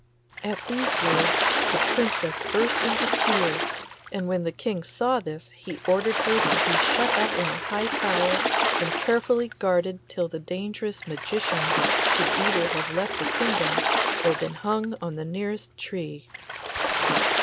At these words the Princess burst into tears, and when the King saw this he ordered her to be shut up in a high tower and carefully guarded till the dangerous magician should either have left the kingdom or been hung on the nearest tree.